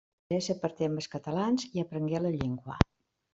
S'interessà per temes catalans i aprengué la llengua.